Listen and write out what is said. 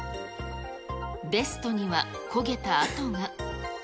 ベストには焦げた跡が。